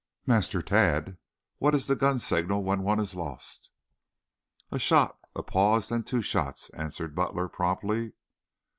Master Tad, what is the gun signal when one is lost?" "A shot, a pause, then two shots," answered Butler promptly.